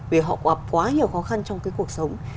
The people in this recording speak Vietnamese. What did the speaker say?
vì họ gặp quá nhiều khó khăn trong cái cuộc sống